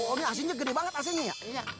oh ini aslinya gede banget aslinya ya